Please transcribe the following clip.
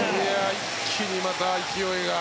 一気にまた勢いが。